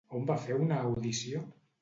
On va fer una audició?